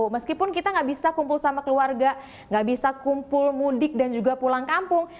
meskipun kita nggak bisa kumpul sama keluarga nggak bisa kumpul mudik dan juga pulang kampung